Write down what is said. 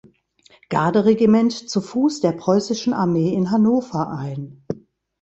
Garde-Regiment zu Fuß der Preußischen Armee in Hannover ein.